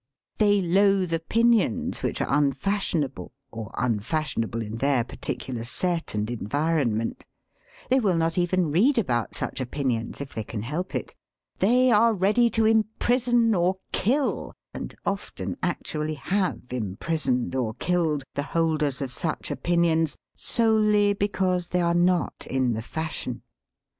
They 86 SELF AND SELF MANAGEMENT loathe opinions which are unfashionable, or un fashionable in their particular set and environ ment ; they will not even read about such opinions if they can help it; they are ready to imprison or kill (and often actually have imprisoned or killed) the holders of such opinions, solely be cause they are not in the fashion.